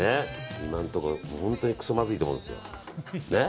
今のところ本当にくそまずいと思うんですよ。